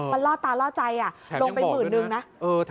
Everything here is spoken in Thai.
มันล่อตาล่อใจลงไปหมื่นนึงนะ